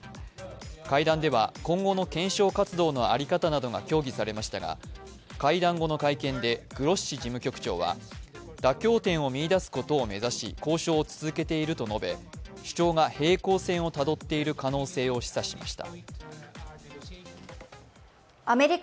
会談では、今後の検証活動の在り方などが協議されましたが、会談後の会見で、グロッシ事務局長は妥協点を見出すことを目指し交渉を続けていると述べ、主張が平行線をたどっている可能性を示唆しました。